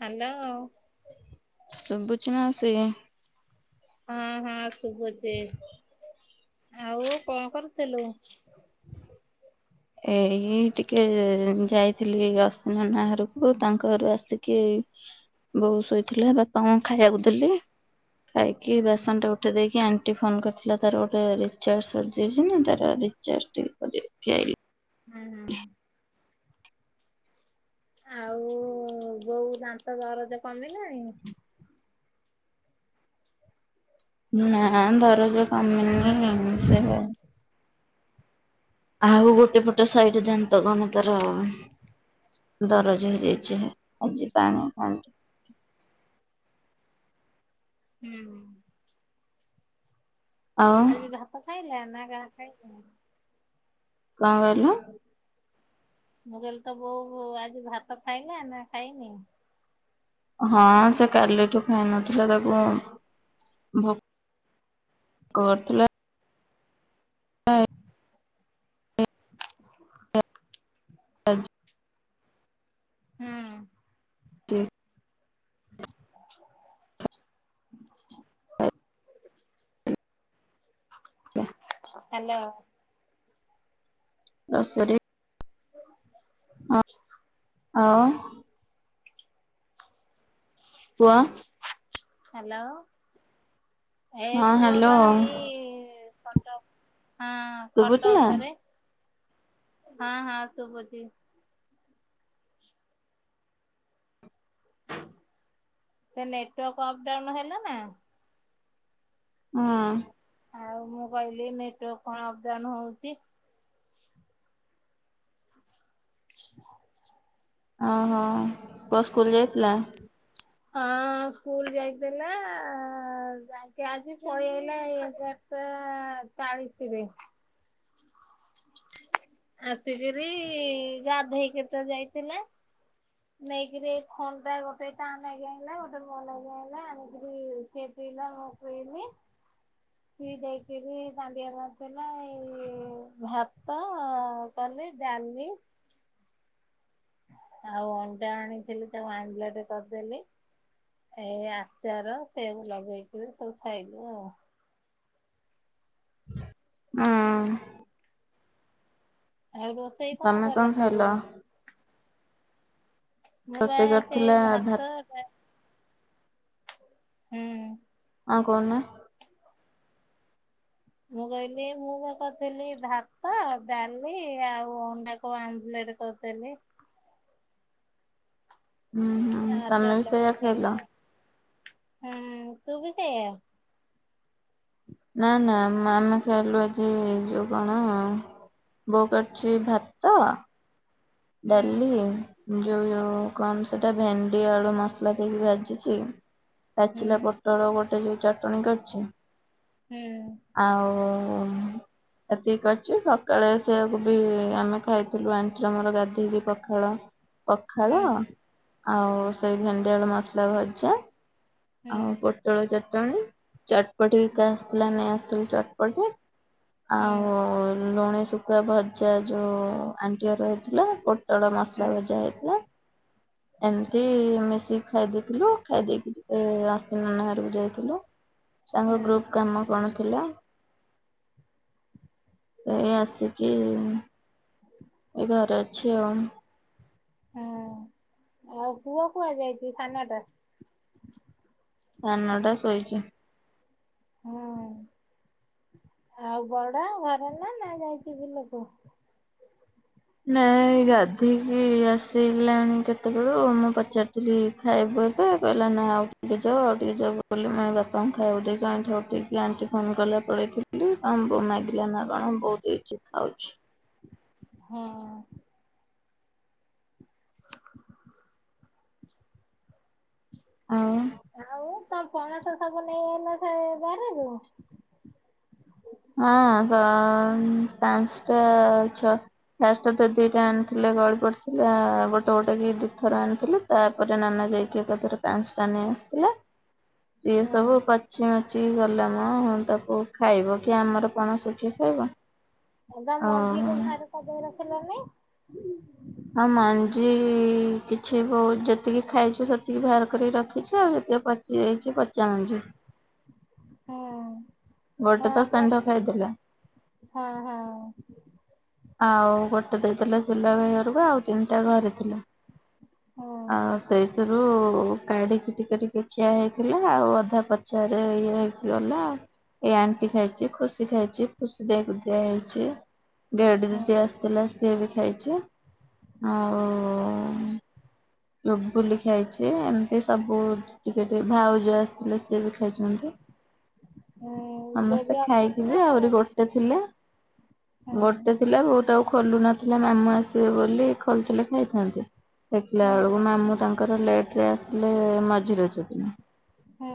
Hello. ଶୁବୁଛି ମାଉସୀ? ହଁ ହଁ ଶୁଭୁଛି, ଆଉ କଣ କରୁଥିଲୁ? ଏଇଇ ଟିକେ ଯାଇଥିଲି ଅଶି ନନା ଘରକୁ, ତାଙ୍କ ଘରୁ ଆସିକି ବୋଉ ଶୋଇଥିଲା, ବାପାଙ୍କୁ ଖାଇବାକୁ ଦେଲିି। ଖାଇକି ହୁଁ ବାସନ ଟା ଉ କାଟି ଦେଇକି ଆଣ୍ଟି ଫୋନ୍ କରିଥିଲା ତାର ଗୋଟେ ରିଚାର୍ଜ ସରିଯାଇଚିନା ତାର ରିଚାର୍ଜ ଟିକେ କରିବି। ପ୍ୟାରି ହୁଁ ହୁଁ। [inaudible] ଆଉ ବୋଉ ଦାନ୍ତ ଦରଜ କମିଲାଣି? ନା ଦରଜ ହ୍ୟାଲୋ। କମିନିି ସେପା ଆଉ ଗୋଟେ ପଟେ ସାଇଟି ଦାନ୍ତ କଣ ତାର ଦରଜ ହେଇଯାଇଚି ଆଜି କଣ ପା ହୁଁ। ଆଉ ଆଜି ଭାତ ଖାଇଲା ନା [unintelligible] କ କଇଁଲ? ମୁଁ କହିଲି ତବୋଉ ଆଜି ଭାତ ଖାଇଲା ନା ଖାଇନି? ହଁ ସେ କାଲିଠୁ ଖାଇନଥିଲା ତାକୁ ଭୋ କରୁଥିଲା [unintelligible] ହୁଁ। [unintelligible] [inaudible] ହାଲୋ। ରଶରି [unintelligible] ପୁଅ ହାଲୋ। ଏ ହଁ ହ୍ୟାଲୋ ପୁଅବା ଏଇ ଖଟ ହଁ। ଖଟ ଶୁଭୁଛି ନା ଉପରେ ହଁ ହଁ ଶୁବୁଚି। ସେ ନେଟୱାର୍କ ଅପ୍ ଡାଉନ୍ ହେଲାନା ହଁ। ଆଉ ମୁଁ କହିଲି ନେଟୱାର୍କ କଁ ଅପଡାଉନ ହଉଚି [inaudible] ଓହୋ ପୁଅ ସ୍କୁଲ୍ ଯାଇଥିଲା। [inaudible] ହଁ ସ୍କୁଲ୍ ଯାଇଥିଲା ଯାଇକି ଆଜି ପଳିଆଇଲା ଏଗାର ଟା ଚାଳିଶିରେ। ଆସିକିରି ଗାଧେଇକିତ ଯାଇଥିଲା ନେଇକିରି ଥଣ୍ଡା ଗୋଟେ ତନାଗି ଆଇଲା ଗୋଟେ ମୋନାଗି ଆଇଲା ଆଣିକିରି ସେ ପିଇଲା ମୁପିଇନି ପିଦେଇକିରି ଦାଡିଆ ମାରିଦେଲା ଏଇ ଭାତ କଲି ଡାଲି ଆଉ ଅଣ୍ଡା ଆଣିଥିଲି ତାକୁ ଆବ୍ଲେଣ୍ଡେ କରିଦେଲି। ଏ ଆଚାର ସେୟାକୁ ଲଗେଇକିରି ସବୁ ଖାଇଲୁ ଆଉ। ହଁ। ଆଉ ରୋଷେଇ କଁ ତମେ କଣ କଲ ଖାଇଲ ସବୁ? ମୁବା ରୋଷେଇ ସେଇ କରିଥିଲା ଭାତ ଡା ହୁଁ। କଁ କହୁନ? ମୁଁ କହିଲି ମୁଁବା କରିଥିଲି ଭାତ ଡାଲି ଆଉ ଅଣ୍ଡାକୁ ଆମ୍ବଲେଟ [unintelligible] ହୁଁ ହୁଁ ଆଉ ଆଚାର ତମେ ବି ଲଗେଇ ସେଇଆ ଖାଇଲି ଖାଇଲ। ହୁଁ ତୁ ବି ସେୟା। ନା ନା ମାଆମେ ଖାଇଲୁ ଆଜି ଯୋଉ କଣ? ବୋଉ କରିଛି ଭାତ, ହୁଁ ଡାଲି ଯୋଉ ଯୋଉ କଣ ସେଟା ଭେଣ୍ଡି ଆଳୁ ମସଲା ଦେଇକି ଭାଜିଛି। ହୁଁ ପାଚିଲା ପୋଟଳ ଗୋଟେ ଯୋଉ ଚଟଣି କରିଛି। ହୁଁ। ଆଉ ଏତିକି କରିଛି, ସକାଳେ ସେଇଆକୁ ବି ଆମେ ଖାଇଥିଲୁ ଆଣ୍ଟିର ମୋର ଗାଧ ଧେଇକି ପଖାଳ, ପଖାଳ ହୁଁ ଆଉ ସେଇ ଭେଣ୍ଡି ଆଳୁ ମସଲା ଭଜା। ହୁଁ ଆଉ ପୋଟଳ ଚଟଣୀ, ଚଟପଟିବିକା ହୁଁ ଆସି ପିଲା ନେଇ ଆସିଥି କ୍ଷେ ଚଟପଟି ହୁଁ ଆଉ ଲୁଣି ଶୁ କୁ ଆ ଭଜା ଯୋଉ ଆଣ୍ଟିହର ହେଇଥିଲା ପୋଟଳ ହୁଁ ମସଲା ଭଜା ହେଇଥିଲା। ଏମିତି ମିଶିକି ଖାଇ ଦେଇଥିଲୁ ଖାଇ ଦେଇକି ଆସୁନନା ଘରକୁ ଯାଇ ଥିଲୁ, ତାଙ୍କ ହଁ ଗ୍ରୁପ୍ କାମ କଣ ଥିଲା। ଏଇ ଆସିକି, ଏ ଇଘରେ ଅଛି ଆଉ। ହୁଁ, ଆଉ ପୁଅ କୁହା ଯାଇଛି ସାନ ଟା? ସାନ ଟା ଶୋଇଛି। ହୁଁ, ଆଉ ବଡ ଘରେ ନା ଯାଇଚି ବିଲ କୁ? ନାଁ ଏଇ ଗାଧୋଇକି ଆସିଲାଣି କେତେବେଳୁ ମୁଁ ପଚାରିଥିଲି ଖାଇବ ସେ କହିଲା ନା ଆଉ ଟିକେ ଯାଉ ଆଉ ଟିକେ ଯାଉ ବୋଲି ମା ବାପାଙ୍କୁ ଖାଇକୁ ଦେଇକି ଉଠକି ଆଣ୍ଟି ଫୋନ୍‌ କଲା ପଳେଇଥିଲି। ଆମ୍ବ ମାଗିଲା ନାଚ୍ଚଣ ବୋଉ ହେଇଛି ଖାଉଛି। ହୁଁ। ହଁ। [inaudible] ଆଉ ଆଉ ତମ ପଣସ ସବୁ ନେଇଆଇଲ ସେ ବାଡିରୁ? ହଁ ପାଁ ପାଞ୍ଚଟା ଛଅ ଫାଷ୍ଟ ତ ଦିଟା ଆଣିଥିଲେ ଗଳି ପଡ଼ିଥିଲାଆଉ ଗୋଟେ ଗୋଟେ କି ଦିଇଥର ଆଣିଥିଲେ। ତାପରେ ନନା ହୁଁ ଯାଇକି ଏକାଥରେ ପାଞ୍ଚିଟା ନେଇ ଆସିଥିଲେ ସିଏ ହୁଁ ସବୁ ପାଚ ପାଚି ମାଚି ଗଲାମ ତାକୁ ଖାଇବ କିଏ ଆମର ପଣସ କିଏ ଖାଇବ? ଆଭ ଓହୋ ତାମଞ୍ଜିିକି ଘରେ ସଜେଇ ରଖିଲ ନି। ହଁ ମାଞ୍ଜି କିଛି ବୋଉ ଯେତିକି ଖାଇଛୁ ସେତିକି ବାହାର କରିକି ରଖିଛୁ ଆଉ ଯେତିକି ପଚ ଯିଏ ହେଇଛି ପଚାମଞ୍ଜି। ହଁ, ଗୋଟେ ହଁ ତ ପା। ଷେଣ୍ଢ ଖାଇଦେଲା। ହଁ ହଁ। ଆଉ ଗୋଟେ ଦେଇଦେଲେ ସିଲା ଭାଇ ଘରକୁ ଆଉ ତିନିଟା ଘରେ ଥଲା, ଆଉ ହଁ ସେଇଥିରୁ କାଢିକି ଟିକେ ଟିକେ ଅଧେ ଖିଆ ହେଇଥିଲା ଆଉ ଅଧା ପଚାରେ ଇଏ ହେଇକି ଗଲା। ଏଇ ଆଣ୍ଟି ଖାଇଛି, ଖୁସି ଖାଇଛି ଖୁସି ଦେଇକୁ ଦିଆ ହେଇଛି। ଗେଡି ଦିଦି ଆସିଥିଲା ସିଏ ବି ଖାଇଛି। ଆଉ ରୁପୁଲି ଖାଇଛି ଏମିତି ସବୁ ଟିକେ ଟିକେ ଭାଉଜ ଆସିଥିଲେ ସିଏ ବି ଖାଇଛନ୍ତି। ହୁଁ ସମସ୍ତେ ଦେବି ଖାଇକି ଅଛନ୍ତି ବି ନା ଆହୁରି ପଳେଇଲେ ଗୋଟେ ଥିଲା, ଗୋଟେ ଥିଲା ବୋଉ ତାକୁ ଖୋଲୁ ନଥିଲେ ମାମୁଁ ଆସିବେ ବୋଲି, ଖୋଲିଥିଲେ ଖାଇଥାନ୍ତି। ଦେଖିଲା ହଁ ବେଳକୁ ହଁ ମାମୁଁ ତାଙ୍କର ଲେଟ୍ ରେ ଆସିଲେ ମଝି ରଜଦିନ। ହୁଁ।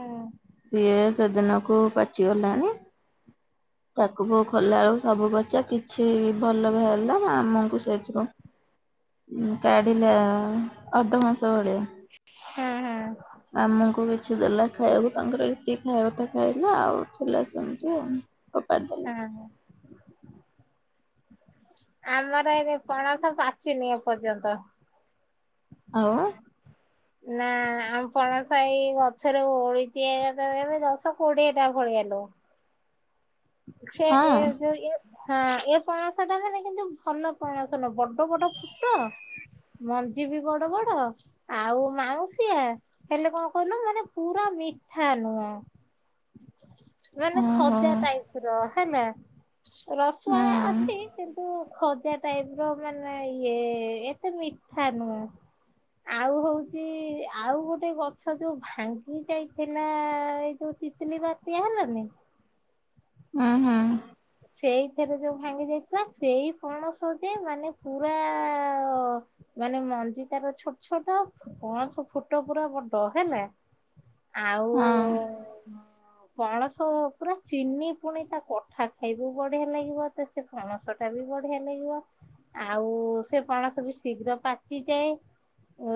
ସିଏ ସେଦିନକୁ ପାଚିଗଲାଣି। ହଁ। [inaudible] ତାକୁ ବୋଉ ଖୋଲିଲା ବେଳକୁ ସବୁ ପଚା କିଛି ଭଲ ବାହାରିଲା। ମାମୁଁଙ୍କୁ ସେଇଥିରୁ ହଁ। [inaudible] କାଢିଲା ଅଧ କଂସେ ଭଳିଆ। ହୁଁ ହୁଁ। ମାମୁଁଙ୍କୁ କିଛି ଦେଲା ଖାଇବାକୁ ତାଙ୍କର ଏତିକି ଖାଇବା କଥା ଖାଇଲେ। ଆଉ ଥିଲା ସେମିତିଆଉ। ଅପାତ୍। [inaudible] ହଁ ହଁ। ଆମର ଏବେ ପଣସ ପାଚିନି ଏପର୍ଯ୍ୟନ୍ତ। ଆଉ। ନା ଆମ ପଣସ ଏଇ ଗଛରେ ଓହଳିଚି ଏକାଥରେ ଦଶ କୋଡିଏ ଟା ଭଳିଆ ଲୋ। ଛେ ହଁ ଏ ଦୁ ଇଏ। ହଁ ଏ ପଣସଟାରେ କିନ୍ତୁ ଭଲ ପଣସ ନୁହଁ, ବଡ ବଡ ଫୁଟ ମଞ୍ଜି ବି ବଡ ବଡ ଆଉ ମାଉଁସିଆ। ହେଲେ କଣ କହିଲୁ, ମାନେ ପୁରା ମିଠା ନୁହଁ। ମାନେ ଓହୋ ଖଜା ଟାଇପ୍ ର ହେଲା ହୁଁ ରସୁଆଳିଆ ଅଛି କିନ୍ତୁ ଖଜା ଟାଇପ୍ ର ମାନେ ଇଏ ଏତେ ମିଠା ନୁହଁ। ଆଉ ହୋଉଚି ଆଉ ଗୋଟେ ଗଛ ଯୋଉ ଭାଙ୍ଗି ଯାଇଥିଲା। ଏଇ ଯୋଉ ତିତିଲି ବାତିଆ ହେଲାନି? ହୁଁ ହୁଁ। ସେଇଥିରେ ଯୋଉ ଭାଙ୍ଗି ଯାଇଥିଲା, ସେଇ ପଣସ ଯେ ମାନେ ପୁରା ଅ ମାନେ ମଞ୍ଜି ତାର ଛୋଟ ଛୋଟ ପଣସ ଫୁଟ ପୁରା ବଡ ହେଲା। ଆଉ ହଁ ପଣସ ପୁରା ଚିନି ପୁଣି ତା କଠା। ଖାଇବୁ ବଢିଆ ଲାଗିବ। ତେ ସେ ପଣସ ଟା ବି ବଢିଆ ଲାଗିବ। ଆଉ ସେ ପଣସ ବି ଶୀଘ୍ର ପାଚିଯାଏ।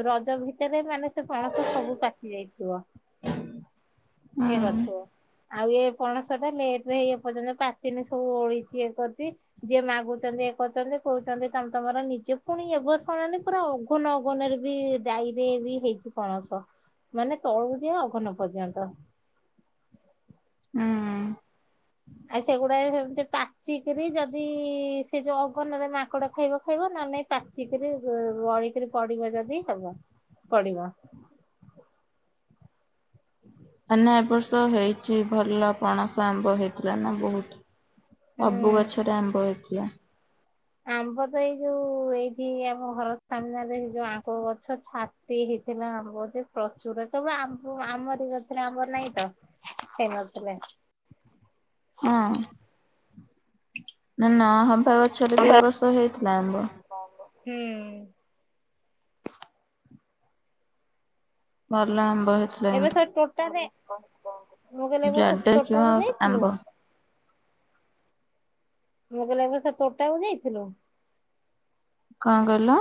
ରଜ ଭି ଭିତରେ ମାନେ ସେ ପଣସ ସବୁ ପାଚି ଯାଇଥିବ। ହୁଁ ଏ କରିଥିବ। ଆଉ ଏ ପଣସ ଟା ଲେଟରେ ଇଏ ପର୍ଯ୍ୟନ୍ତ ପାଚିନୀ। ସବୁ ଓହୋଳିଚି ଇଏ କରିଚି। ଯିଏ ମାଗୁଚନ୍ତି ଇଏ କରୁଚନ୍ତି କହୁଚନ୍ତି ତମେ ତମର ନିଜେ ପୁଣି ଏ ବର୍ଷ ମାନେଅଗ ଫୁଲ୍ ଅଗନରେ ବି ଡାଇରେ ବି ହେଇଚି ପଣସ। ମାନେ ତଳକୁ ଯେ ଅଗନ ପର୍ଯ୍ୟନ୍ତ। ଉଁ। ଆ ସେଗୁଡାଏ ହେମିତି ପାଚିକିରି ଯଦି ସେ ଯୋଉ ଅଗନରେ ମାଙ୍କଡ ଖାଇବ ଖାଇବ ନହେଲେ ନାଇଁ ପାଚିକିରି ଗଳିକିରି ପଡିବ ଯଦି ହବ ପଡିବ। [inaudible] ଆ ନା ଏ ବର୍ଷ ହେଇଚି ଭଲ ପଣସ ଆମ୍ବ ହେଇଥିଲା ନା ବହୁତ୍। ସବୁ ଗଛରେ ଆମ୍ବ ହେଇଥିଲା। ଆମ୍ବ ତ ଏଇ ଯୋଉ ଏଇଠି ଆମ ଘର ସାମ୍ନାରେ ଯୋଉ ଆମ୍ବ ଗଛ ଛା ଟି ହେଇଥିଲା ଆମ୍ବ ଯେ ପ୍ରଚୁର। କେବଳ ଆମ୍ବ ଆମରି ଗଛରେ ଆମ୍ବ ନାଇଁ ତ। ସେ ଖାଉଥିଲେ। ଅଁ। ନା ନହବା ଗଛରେ ବି ଏବ ବର୍ଷ ହେଇଥିଲା ଆମ୍ଭ। ହଁ ପା, ହୁଁ। ଭଲ ଆମ୍ବ ହେଇ ଏବେ ସେ ଟୋଟାରେ, ମୁଁ କହିଲି ଏ ବର୍ଷ ସେ ଯୁଆଡେ ଦେଖିବ ତୋଟା କୁ ଯାଇଥିଲୁ? ଆମ୍ବ ମୁଁ କହିଲି ଏ ବର୍ଷ ତୋଟାକୁ ଯାଇଥିଲୁ? କଣ କହିଲ?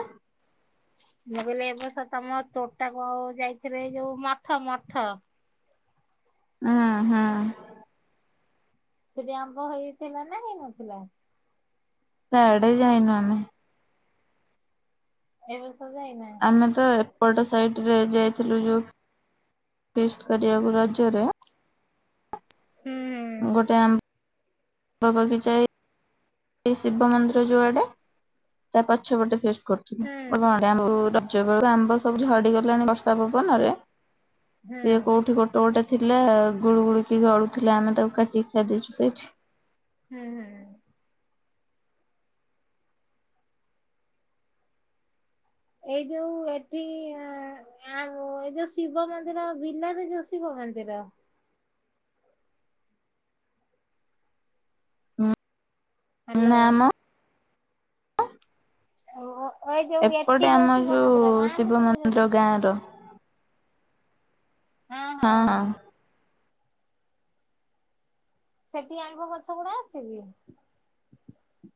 ମୁଁ କହିଲି ଏ ବର୍ଷ ତମ ତୋଟା କୁ ଆଉ ଯାଇଥିଲେ ଏ ଯୋଉ ମଠ ମଠ। ଅଁ, ହଁ। ସେଠି ଆମ୍ବ ହେଇଥିଲା ନା ହେଇନଥିଲା? ସିଆଡେ ଯାଇନୁ ଆମେ। ଏ ବର୍ଷ ଯାଇନା? ଆମେ ତ ଏପଟ ସାଇଟ୍ ରେ ଯାଇଥିଲୁ ଯୋଉ ଫିଷ୍ଟ କରିବାକୁ ରଜରେ ହୁଁ ଗୋଟେ ଆମ୍ବ ବଗିଚା ଇ ଏଇ ଶିବ ମନ୍ଦିର ଯୋଉଆଡେ ତା ପଛପଟେ ଫିଷ୍ଟ ହୁଁ କରୁଥିଲୁ ଆଉ ରଜ ବେଳ କୁ ଆମ୍ବ ସବୁ ଝଡି ଗଲାଣି ବର୍ଷା ପବନରେ ହୁଁ ସିଏ କୋଉଠି ଗୋଟେ ତୋଟେ ଥିଲା ଗୁଳୁ ଗୁଳିକି ଗଡୁ ଥିଲା ଆମେ ତାକୁ କାଟିକି ଖାଇ ଦେଇଛୁ ସେଇଠି। ହୁଁ ହୁଁଁ। ଏଇ ଯୋଉ ଏଠି ଆଉ ଏଇ ଯୋଉ ଶିବ ମନ୍ଦିର ବିଲରେ ଯୋଉ ଶିବ ମନ୍ଦିର? ହୁଁ ନା ହ୍ୟାଲୋ। ମ ଓ ହ ଏ ଯୋଉ ଏପଟେ ଏଠି ଆମ ଯଉ ଶିବ ଯୋଉ ମନ୍ଦିର ଗାଁ ଶିବ ଭିତରେ ମନ୍ଦିର ଯାଉ ଗାଁ ର ହଁ ହଁଁ ହଁ। ସେଠି ଆମ୍ବ ଗଛ ଗୁଡା ଅଛି କି?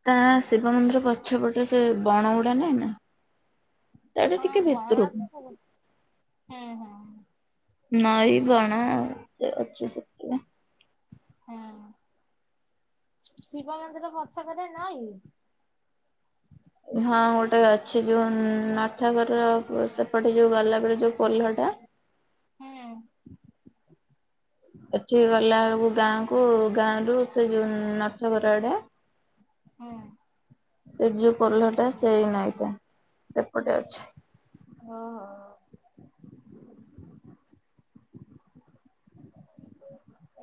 ତା ଶିବ ମନ୍ଦିର ପଛପଟେ ସେ ବଣ ଗୁଡା ନାଇଁ ନା? ତାଟା ହଁ ଟିକେ ବଣ ଭିତରକୁ ତ ଥିବ ହଁ ହଁ। ନଇଁ ବଣ ସେ ଅଛି ସେଠି ହଁ ଶିବ ମନ୍ଦିର ପଛ କରେ ନଇଁ? ହଁ ଗୋଟେ ଅଛି ଯୋଉ ନଠାଗର ସେପଟେ ଯୋଉ ଗଲାବେଳେ ଯୋଉ ପୋଲଟା ହଁ ଏଠି ଗଲା ବେଳକୁ ଗାଁକୁ ଗାଁରୁ ସେ ଯୋଉ ନଠ ଘର ଆଡ଼େ? ହଁ ସେ ଯୋଉ ପୋଲହ ଟା ସେଇ ନଇଁଟା ସେପଟେ ଅଛି। ଓହୋ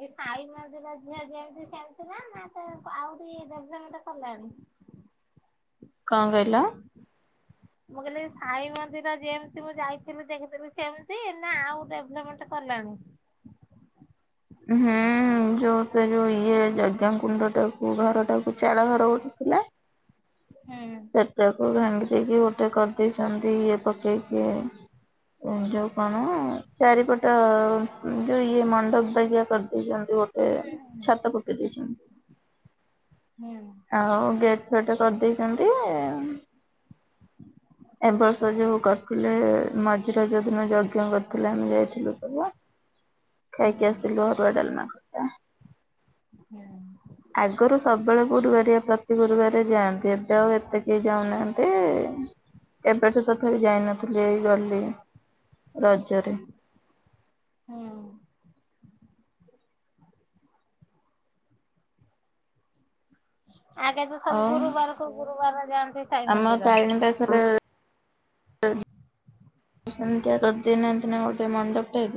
ଏ ସାଇ ମନ୍ଦିର ଝିଅ ଯେମିତି ସେମିତି ନା ନା ତାକୁ ଆହୁରି ଢ଼େଭ୍ଲମେଣ୍ଟ କଲାଣି? କଣ କହିଲ? ମୁଁ କହିଲି ସାଇ ମନ୍ଦିର ଯେମିତି ମୁଁ ଯାଇଥିଲି ଦେଖିଥିଲି ସେମିତି ନା ଆଉ ଡେଭଲପମେଣ୍ଟ କଲାଣି? ହୁଁ ଯୋଉ ସେ ଯୋଉ ଇଏ ଯଜ୍ଞ କୁଣ୍ଡ ଟାକୁ ଘର ଟାକୁ ଚାଳ ଘର ଗୋଟେ ଥିଲା? ହୁଁ। ସେଟାକୁ ଭାଙ୍ଗି ଦେଇକି ଗୋଟେ କରି କରି ଦେଇଛନ୍ତି ଇଏ ପକେଇକି ଯୋଉ କଣ ଚାରିପଟ ଯୋଉ ଇଏ ମଣ୍ଡପ ଟକିଆ କରିଦେଇଛନ୍ତି ଗୋଟେ ହୁଁ ଛାତ ପକେଇ ହୁଁ ଦେଇଛନ୍ତି। ଆଉ ଗେଟ୍ ଫେଟ କରିଦେଇଛନ୍ତି। ଏବର୍ଷ ଯୋଉ କରିଥିଲେ ମଝିରେ ଯଉ ଦିନ ଯଜ୍ଞ କରିଥିଲେ ଆମେ ଯାଇଥିଲୁ ସବୁ। କି ହୁଁ ଆସିଲୁ ଅରୁଆ ଡାଲମା ଭାତ ହୁଁ। ଆଗରୁ ସବୁବେଳେ ଗୁରୁବାରିଆ ପ୍ରତି ଗୁରୁବାରେ ଯାଆନ୍ତି ଏବେ ଆଉ ଏତେ କେହି ଯାଉନାହାନ୍ତି। ମତେ କେବେଠୁ ତଥାପି ଯାଇନଥିଲି ଏଇ ଗଲି ରଜରେ। ହଁ। ଆଗେ ତ ସବୁ ଆଉ ଗୁରୁବାରକୁ ଗୁରୁବାର ଯାଆନ୍ତି। ସାଇ ଆମ ମନ୍ଦିର। ଟାଇମ୍ ରେ ଥରେ ସେମିତିଆ କରି ଦେଇନାହାଁନ୍ତି ନା ଗୋଟେ ମଣ୍ଡପରେ